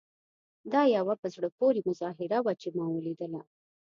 دا یوه په زړه پورې مظاهره وه چې ما ولیدله.